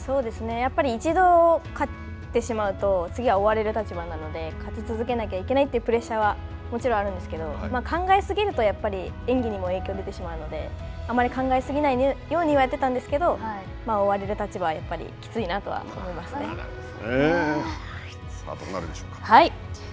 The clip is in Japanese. やっぱり一度勝ってしまうと次は追われる立場なので勝ち続けなければいけないというプレッシャーはもちろんあるんですけれども考えすぎると演技にも影響が出てしまうのであまり考えすぎないようにはやっていたんですけれども追われる立場はきついなとはどうなるでしょうか。